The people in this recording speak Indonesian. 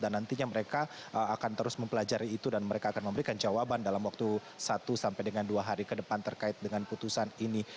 dan nantinya mereka akan terus mempelajari itu dan mereka akan memberikan jawaban dalam waktu satu sampai dengan dua hari ke depan terkait dengan putusan ini